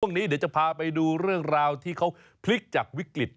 เดี๋ยวจะพาไปดูเรื่องราวที่เขาพลิกจากวิกฤต